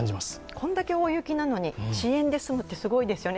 これだけ大雪なのに遅延で済むってすごいですよね。